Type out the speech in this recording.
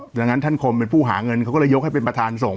ดังนั้นท่านคมเป็นผู้หาเงินเขาก็เลยยกให้เป็นประธานส่ง